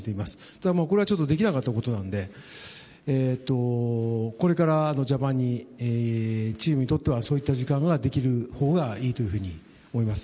ただ、これはもうできなかったことなのでこれからのジャパンのチームにとってはそういった時間ができるほうがいいというふうに思います。